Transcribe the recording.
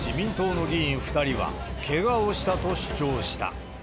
間に入った自民党の議員２人は、けがをしたと主張した。